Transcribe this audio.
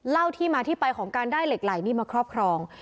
เล่าที่มาที่ไปของการได้เหล็กไหลนี่มาครอบครอง